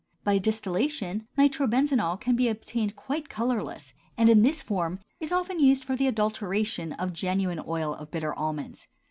By distillation nitrobenzol can be obtained quite colorless, and in this form is often used for the adulteration of genuine oil of bitter almonds.